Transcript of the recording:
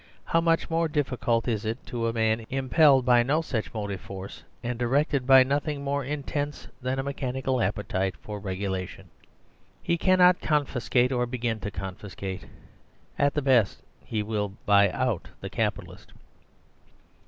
how much more difficult is it to a man impelled by no such motive force and directed by nothing more intense than a mechanical appetite for regulation ? He cannot confiscate or begin to confiscate. At the best he will " buy out " the Capitalist.